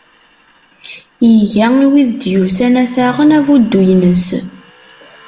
Iga i wid i d-yusan ad t-aɣen abuddu-ines.